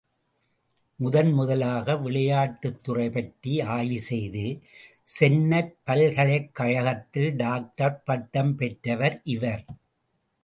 முதன்முதலாக விளையாட்டுத்துறை பற்றி ஆய்வு செய்து, சென்னைப் பல்கலைக் கழகத்தில் டாக்டர் பட்டம் பெற்றவர் இவர்.